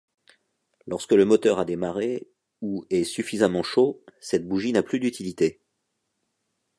Lorsque le moteur a démarré, ou est suffisamment chaud, cette bougie n'a plus d'utilité.